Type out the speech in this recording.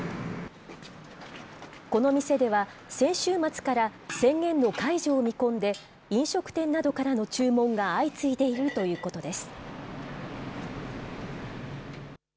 この店では、先週末から宣言の解除を見込んで、飲食店などからの注文が相次いでいるということです。